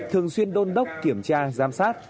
thường xuyên đôn đốc kiểm tra giám sát